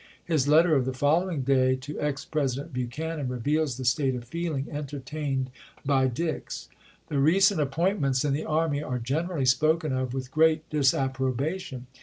His let ter of the following day to ex President Buchanan reveals the state of feeling entertained by Dix : The recent appointments in the army are generally spoken of with great disapprobation.